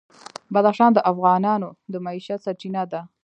بدخشان د افغانانو د معیشت سرچینه ده.